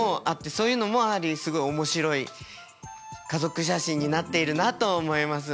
そういうのもすごい面白い家族写真になっているなとは思います。